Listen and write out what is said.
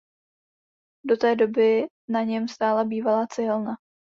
Do té doby na něm stála bývalá cihelna.